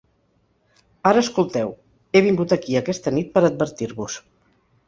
Ara escolteu: He vingut aquí aquesta nit per advertir-vos.